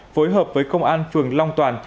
phối hợp với công an phường long toàn